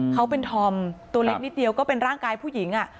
เขาเป็นธอมตัวเล็กนิดเดียวก็เป็นร่างกายผู้หญิง